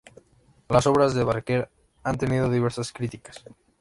Las obras de Barker han tenido diversas críticas.